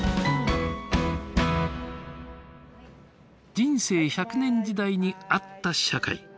人生１００年時代に合った社会。